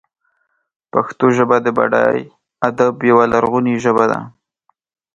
پښتو ژبه د بډای ادب یوه لرغونې ژبه ده.